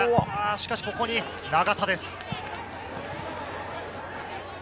しかし、ここに永田です。